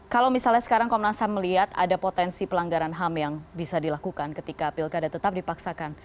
kalau misalnya sekarang komnas ham melihat ada potensi pelanggaran ham yang bisa dilakukan ketika pilkada tetap dipaksakan